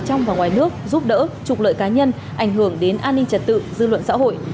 trong và ngoài nước giúp đỡ trục lợi cá nhân ảnh hưởng đến an ninh trật tự dư luận xã hội